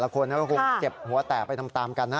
ก็คงเก็บหัวแตกไปทำตามกันนะ